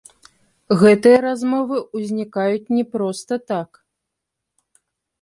Гэтыя размовы ўзнікаюць не проста так!